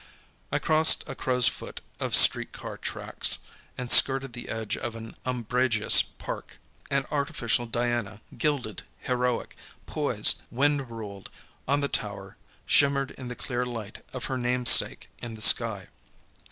I crossed a crow's foot of street car tracks, and skirted the edge of an umbrageous park. An artificial Diana, gilded, heroic, poised, wind ruled, on the tower, shimmered in the clear light of her namesake in the sky.